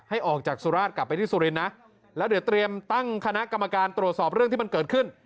ให้ออกจากสุราชกลับไปที่สุรินทร์นะแล้วเดี๋ยวเตรียมตั้งคณะกรรมการตรวจสอบเรื่องที่มันเกิดขึ้น